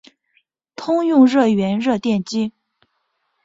通用热源热电机。